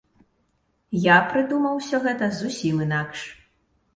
Я прыдумаў усё гэта зусім інакш.